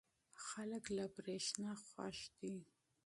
خلک له برېښنا خوښ دي.